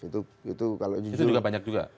itu juga banyak juga